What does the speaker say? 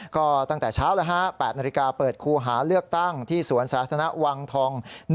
ก็ตั้งแต่เช้าละ๘นาฬิกาเปิดคู่หาเลือกตั้งที่สวรรค์ศาสตร์ธนวังทอง๑